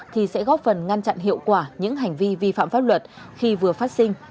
thì sẽ góp phần ngăn chặn hiệu quả những hành vi vi phạm pháp luật khi vừa phát sinh